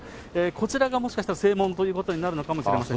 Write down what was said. こちらがもしかしたら正門ということになるのかもしれません。